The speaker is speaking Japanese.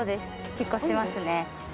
結構しますね。